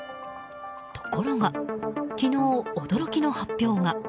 ところが昨日、驚きの発表が。